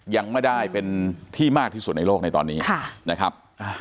ยังไม่ได้เป็นที่มากที่สุดในโลกในตอนนี้นะครับ